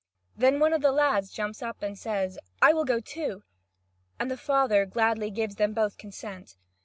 Then one of the lads jumps up, and says: "I too will go." And the father gladly gives them both consent.